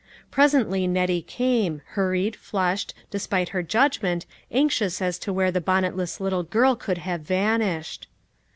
Presently Nettie came, hurried, flushed, despite her judgment, anxious as to where the bonnet less little girl could have vanished.